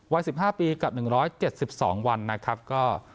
วัยสิบห้าปีกับหนึ่งร้อยเจ็ดสิบสองวันนะครับก็